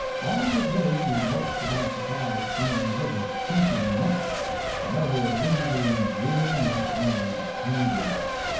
"All day we moped about the cars, saying little, thinking much. Another lingering dreary night and hunger.